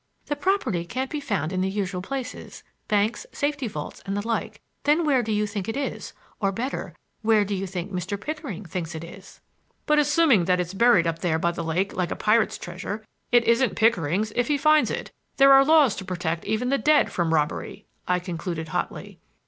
The property can't be found in the usual places,—banks, safety vaults, and the like. Then where do you think it is,—or better, where do you think Mr. Pickering thinks it is?" "But assuming that it's buried up there by the lake like a pirate's treasure, it isn't Pickering's if he finds it. There are laws to protect even the dead from robbery!" I concluded hotly.